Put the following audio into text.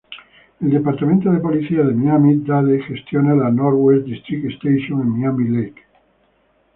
El Departamento de Policía de Miami-Dade gestiona la "Northwest District Station" en Miami Lakes.